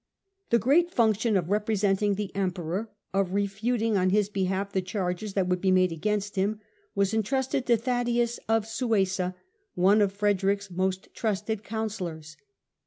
The great function of representing the Emperor, of refuting on his behalf the charges that would be made against him, was entrusted to Thaddaeus of Suessa, one of Frederick's most trusted councillors.